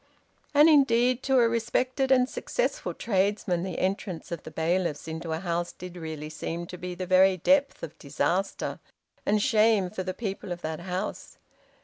And indeed, to a respected and successful tradesman, the entrance of the bailiffs into a house did really seem to be the very depth of disaster and shame for the people of that house.